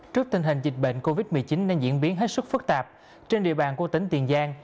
trước tình hình dịch bệnh covid một mươi chín đang diễn biến hết sức phức tạp trên địa bàn của tỉnh tiền giang